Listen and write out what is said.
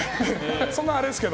そんなあれですけど。